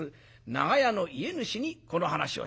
長屋の家主にこの話をした。